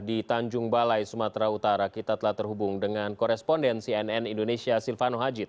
di tanjung balai sumatera utara kita telah terhubung dengan koresponden cnn indonesia silvano hajid